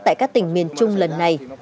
tại các tỉnh miền trung lần này